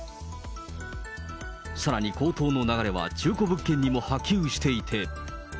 さらに高騰の流れは中古物件にも波及していて。